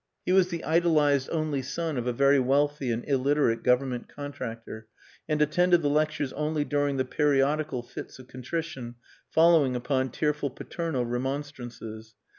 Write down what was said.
He was the idolized only son of a very wealthy and illiterate Government contractor, and attended the lectures only during the periodical fits of contrition following upon tearful paternal remonstrances.